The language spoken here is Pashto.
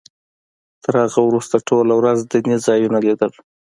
تر هغه وروسته ټوله ورځ دیني ځایونه لیدل.